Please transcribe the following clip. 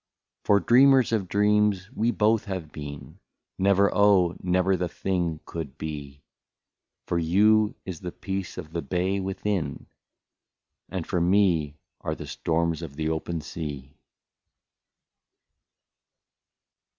For dreamers of dreams we both have been, — Never, oh ! never, the thing could be ; For you is the peace of the bay within, And for me are the storms of the open sea.